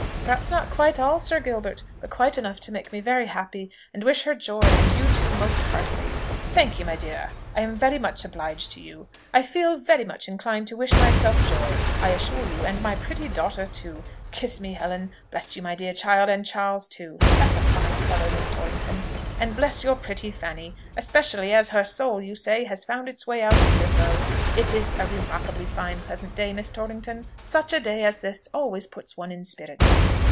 "Perhaps not quite all, Sir Gilbert; but quite enough to make me very happy, and wish her joy, and you too, most heartily." "Thankye my dear; I am very much obliged to you. I feel very much inclined to wish myself joy, I assure you, and my pretty daughter too. Kiss me, Helen! Bless you, my dear child, and Charles too! That's a fine fellow, Miss Torrington! And bless your pretty Fanny! especially as her soul, you say, has found its way out of Limbo. It is a remarkably fine, pleasant day, Miss Torrington: such a day as this always puts one in spirits."